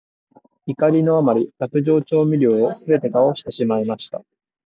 怒りのあまり、卓上調味料をすべて倒してしまいました。